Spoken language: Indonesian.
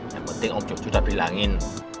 yang penting om jojo udah bilangin